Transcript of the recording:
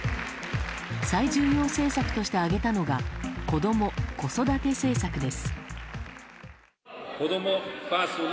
最重要政策として挙げたのがこども・子育て政策です。